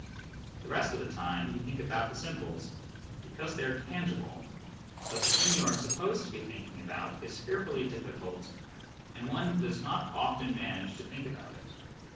The rest of the time you think about the symbols, because they are tangible, but the thing you are supposed to be thinking about is fearfully difficult and one does not often manage to think about it.